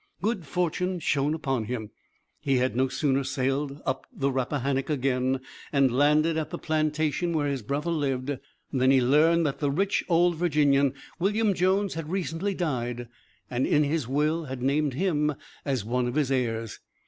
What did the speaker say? Good fortune shone upon him. He had no sooner sailed up the Rappahannock again and landed at the plantation where his brother lived than he learned that the rich old Virginian, William Jones, had recently died and in his will had named him as one of his heirs.